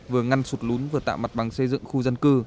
vừa ngăn sụt lún vừa tạo mặt bằng xây dựng khu dân cư